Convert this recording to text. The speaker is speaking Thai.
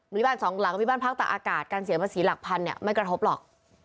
มีบ้านสองหลังมีบ้านพักตากอากาศการเสียภาษีหลักพันเนี่ยไม่กระทบหรอก